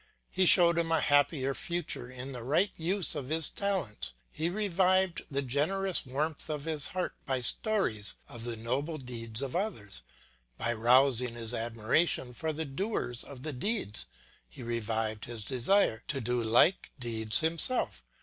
He showed him a happier future in the right use of his talents; he revived the generous warmth of his heart by stories of the noble deeds of others; by rousing his admiration for the doers of these deeds he revived his desire to do like deeds himself.